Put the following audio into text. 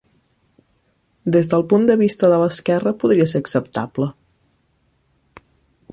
Des del punt de vista de l'esquerra, podria ser acceptable.